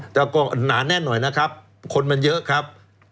แต่ก็หนาแน่นหน่อยนะครับคนมันเยอะครับ